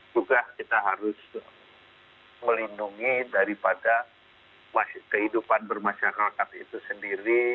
juga kita harus melindungi daripada kehidupan bermasyarakat itu sendiri